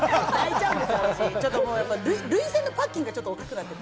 涙腺のパッキンがおかしくなっていて。